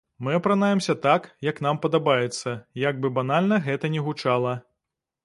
Мы апранаемся так, як нам падабаецца, як бы банальна гэта ні гучала.